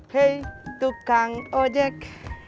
hei tukang ojek